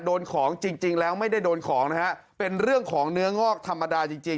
โดนของจริงจริงแล้วไม่ได้โดนของนะฮะเป็นเรื่องของเนื้องอกธรรมดาจริงจริง